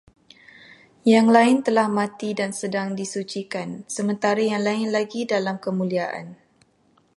Yang lain telah mati dan sedang disucikan, sementara yang lain lagi dalam kemuliaan